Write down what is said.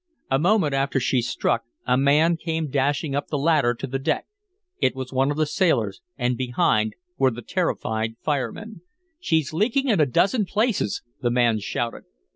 A moment after she struck a man came dashing up the ladder to the deck; it was one of the sailors, and behind were the terrified firemen. "She's leaking in a dozen places!" the man shouted.